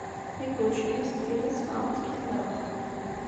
Tibbucin-is n tidet neɣ n tkellax?